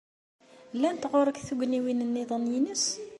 Llant ɣer-k tugniwin niḍen nnes?